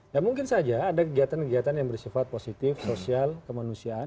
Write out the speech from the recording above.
ya mungkin saja ada kegiatan kegiatan yang bersifat positif sosial kemanusiaan